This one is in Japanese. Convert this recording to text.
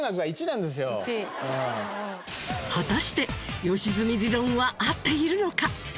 果たして良純理論は合っているのか？